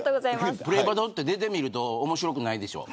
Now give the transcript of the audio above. プレバト！！って出てみると面白くないでしょ。